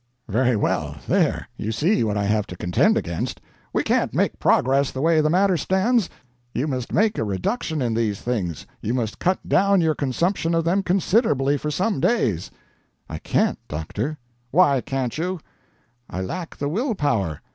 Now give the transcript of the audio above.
"Very well, there you see what I have to contend against. We can't make progress the way the matter stands. You must make a reduction in these things; you must cut down your consumption of them considerably for some days." "I can't, doctor." "Why can't you." "I lack the will power.